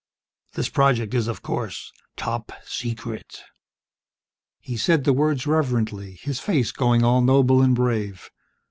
"This project is, of course, Top Secret!" He said the words reverently, his face going all noble and brave.